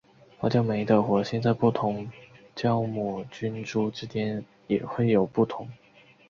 发酵酶的活性在不同的酵母菌株之间也会有不同。